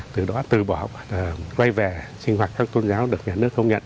từ đó từ bỏ quay về sinh hoạt các tôn giáo được nhà nước công nhận